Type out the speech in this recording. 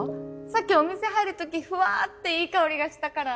さっきお店入るときふわーっていい香りがしたから。